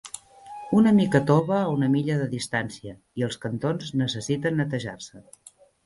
Una mica tova a una milla de distància, i els cantons necessiten netejar-se.